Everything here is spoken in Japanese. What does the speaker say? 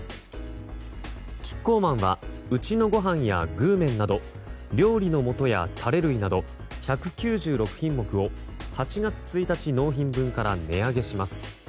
キッコーマンはうちのごはんや具麺など料理の素やタレ類など１９６品目を８月１日納品分から値上げします。